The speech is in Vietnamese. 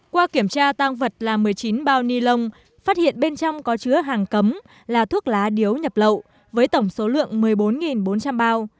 qua kiểm tra tăng vật là một mươi chín bao ni lông phát hiện bên trong có chứa hàng cấm là thuốc lá điếu nhập lậu với tổng số lượng một mươi bốn bốn trăm linh bao